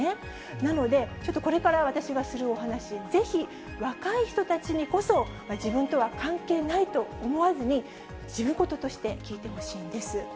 なので、ちょっとこれから私がするお話、ぜひ若い人たちにこそ、自分とは関係ないと思わずに、自分事として聞いてほしいんです。